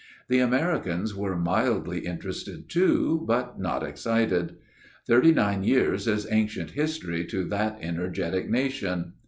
The Ameri cans were mildly interested too, but not excited. Thirty nine years is ancient history to that ener getic nation."